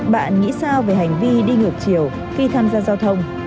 bạn nghĩ sao về hành vi đi ngược chiều khi tham gia giao thông